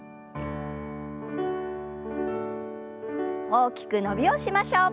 大きく伸びをしましょう。